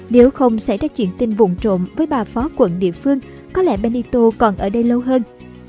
nếu không xảy ra chuyện tin vụn trộn với bà phó quận địa phương có lẽ benito còn ở đây lâu hơn